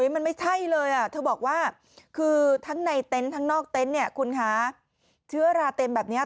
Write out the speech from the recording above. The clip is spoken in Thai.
มันไม่ใช่เลยเธอบอกว่าคือทั้งในเต็นต์ทั้งนอกเต็นต์เนี่ยคุณคะเชื้อราเต็มแบบนี้